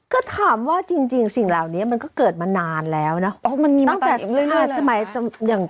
ก็ถามว่าจริงจริงสิ่งเหล่านี้มันก็เกิดมานานแล้วนะอ๋อมันมีมาตั้งแต่